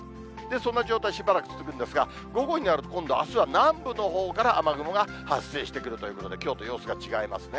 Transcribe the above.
そんな状態しばらく続くんですが、午後になると今度、あすは南部のほうから雨雲が発生してくるということで、きょうと様子が違いますね。